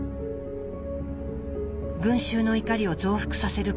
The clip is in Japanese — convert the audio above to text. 群衆の怒りを増幅させる